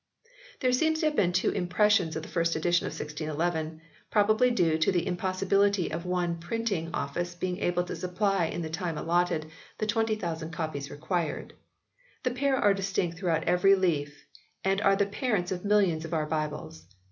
There seem to have been two impressions of the first edition of 1611, probably due to the impossibility of one printing office being able to supply in the time allotted the 20,000 copies required. The pair are distinct throughout every leaf and are the parents of millions of our Bibles.